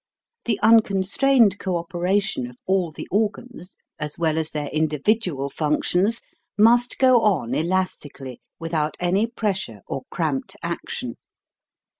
The unconstrained cooperation of all the organs, as well as their individual functions, must go on elastically without any pressure or cramped action.